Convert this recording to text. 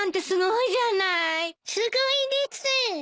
すごいです！